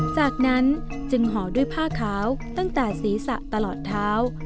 จากนั้นจึงห่อด้วยผ้าขาวตั้งแต่ศีรษะตลอดเท้า